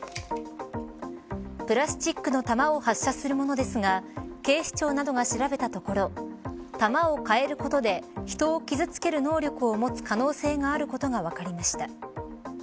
プラスチックの弾を発射するものですが警視庁などが調べたところ弾を変えることで人を傷つける能力を持つ可能性があることが分かりました。